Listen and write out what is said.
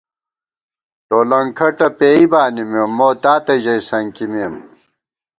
ٹولَنگ کھٹہ پېئ بانِمېم، موتاتہ ژَئی سنکِمېم